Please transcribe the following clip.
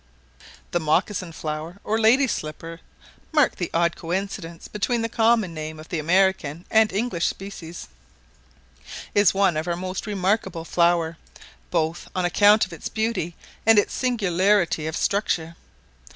The mocassin flower or lady's slipper (mark the odd coincidence between the common name of the American and English species) is one of our most remarkable flowers; both on account of its beauty and its singularity of structure.